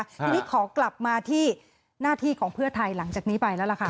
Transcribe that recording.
ทีนี้ขอกลับมาที่หน้าที่ของเพื่อไทยหลังจากนี้ไปแล้วล่ะค่ะ